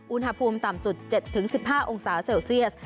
อุณหภูมิต่ำสุด๗๑๕องศาเซลเซียส